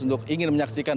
untuk ingin menyaksikan